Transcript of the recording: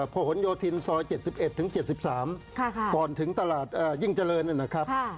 ผนโยธินซอย๗๑ถึง๗๓ก่อนถึงตลาดยิ่งเจริญนะครับ